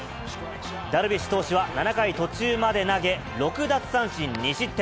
ダルビッシュ投手は７回途中まで投げ、６奪三振２失点。